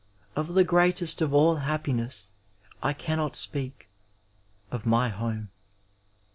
Of the greatest of all hap^nness I cannot speak^ of my home.